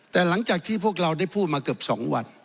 แต่หลังจากที่พวกเราได้พูดมาเกือบ๒วัน